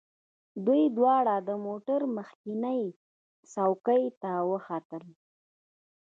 دوی دواړه د موټر مخکینۍ څوکۍ ته وختل